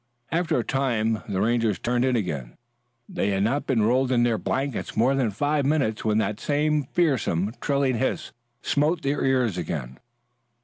After a time the Rangers turned in again. They had not been rolled in their blankets more than five minutes when that same fearsome, trilling hiss smote their ears again.